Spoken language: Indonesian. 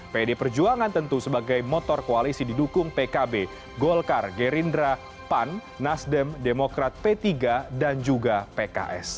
pd perjuangan tentu sebagai motor koalisi didukung pkb golkar gerindra pan nasdem demokrat p tiga dan juga pks